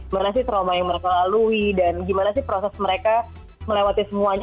mana sih trauma yang mereka lalui dan gimana sih proses mereka melewati semuanya